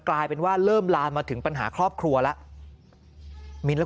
กลายเป็นว่าเริ่มลามมาถึงปัญหาครอบครัวแล้ว